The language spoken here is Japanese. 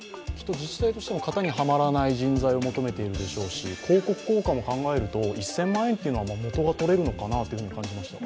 自治体としても型にはまらない人材を求めているでしょうし、広告効果も考えると１０００万円というのは元が取れるのかなと感じましたが。